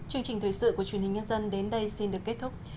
chương trình thời sự của truyền hình nhân dân đến đây xin được kết thúc